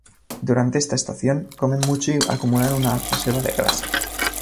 Durante esta estación, comen mucho y acumulan una reserva de grasa.